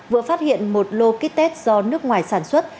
vừa phát hiện một lô kít tét do nước ngoài sản xuất